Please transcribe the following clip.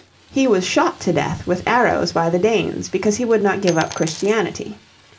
He was shot to death with arrows by the Danes because he would not give up Christianity.